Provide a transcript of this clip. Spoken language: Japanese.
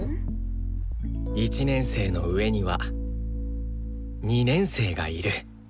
１年生の上には２年生がいる。